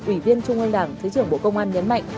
ủy viên trung ương đảng thứ trưởng bộ công an nhấn mạnh